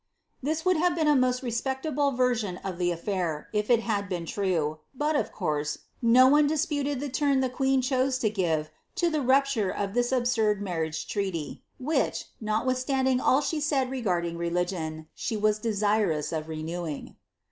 "' This would have been a most respectable version of the af&ir, if it had been true; but, of course, no one disputed the turn the queen chose u> give to the rupture of this absurd marriage treaty, which, notwith ttuding all she said regarding religion, she was desirous of renewing.